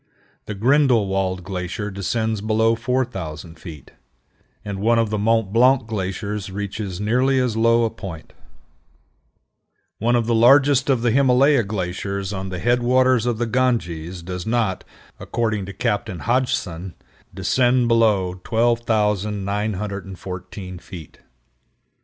The Grindelwald glacier descends below 4000 feet, and one of the Mont Blanc glaciers reaches nearly as low a point. One of the largest of the Himalaya glaciers on the head waters of the Ganges does not, according to Captain Hodgson, descend below 12,914 feet.